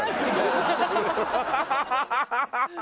ハハハハ！